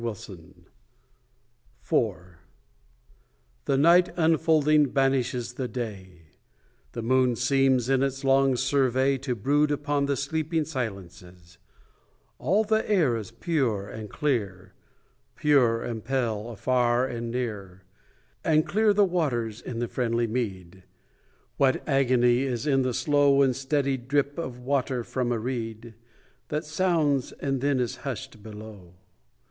IV The night, unfolding, banishes the day; The moon seems, in its long survey, To brood upon the sleeping silences; All the air is pure and clear, Pure and pale afar and near, And clear the waters in the friendly mead; What agony is in the slow And steady drip of water from a reed, That sounds and then is hushed below!